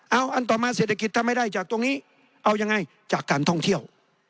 เอาอันต่อมาเศรษฐกิจถ้าไม่ได้จากตรงนี้เอายังไงจากการท่องเที่ยว